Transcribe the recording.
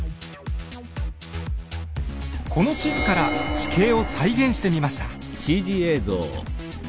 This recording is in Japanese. この地図から地形を再現してみました。